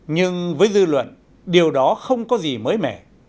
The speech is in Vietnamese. nhưng với dư luận điều đó không có gì mới mẻ